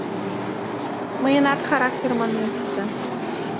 Мыйынат характер манмет сита!